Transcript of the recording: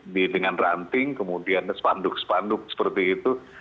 ini meranting kemudian sepanduk sepanduk seperti itu